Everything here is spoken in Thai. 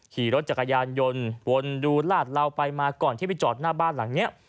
ขี่รถจักรยานยนต์วนดูลาดเหลาไปมาก่อนที่ไปจอดหน้าบ้านหลังนี้